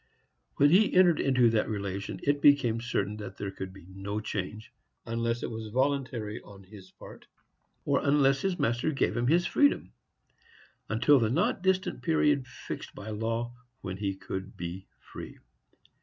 When he entered into that relation, it became certain that there could be no change, unless it was voluntary on his part (comp. Ex. 21:5,6), or unless his master gave him his freedom, until the not distant period fixed by law when he could be free.